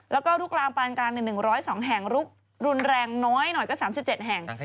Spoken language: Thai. แล้วก็ลุกลามปานกลางใน๑๐๒แห่งลุกรุนแรงน้อยหน่อยก็๓๗แห่ง